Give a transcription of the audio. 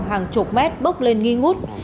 hàng chục mét bốc lên nghi ngút